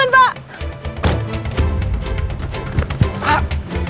cepet jalan pak